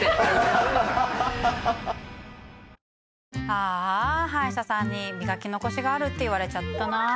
ああ歯医者さんに磨き残しがあるって言われちゃったな。